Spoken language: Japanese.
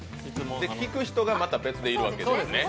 聞く人がまた別でいるわけですね。